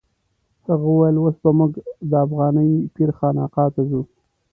هغه وویل اوس به موږ د افغاني پیر خانقا ته ځو.